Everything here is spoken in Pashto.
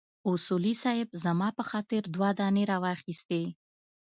اصولي صیب زما په خاطر دوه دانې راواخيستې.